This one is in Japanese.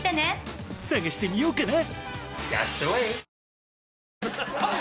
探してみようかな。